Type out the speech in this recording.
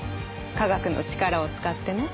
科学の力を使ってね。